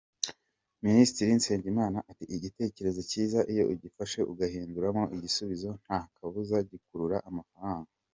Minisitiri Nsengimana ati “Igitekerezo cyiza iyo ugifashe ukagihinduramo igisubizo nta kabuza gikurura amafaranga.